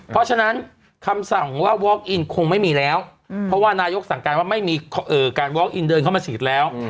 เพราะฉะนั้นคำสั่งว่าวอคอินคงไม่มีแล้วเพราะว่านายกสั่งการว่าไม่มีการวอล์อินเดินเข้ามาฉีดแล้ว